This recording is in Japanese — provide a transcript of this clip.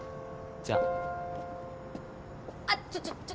じゃあっちょちょ